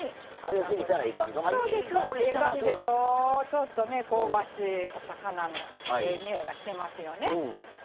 ちょっとね香ばしいお魚のええにおいがしてますよね。